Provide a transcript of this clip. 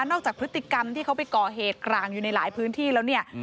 จากพฤติกรรมที่เขาไปก่อเหตุกลางอยู่ในหลายพื้นที่แล้วเนี่ย